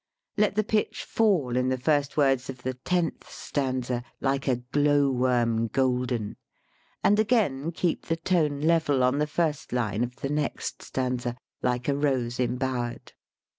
Let the pitch fall in the first words of the tenth stanza, "like a glowworm golden." And again keep the tone level on the first line of the next stanza, "like a rose embower'd."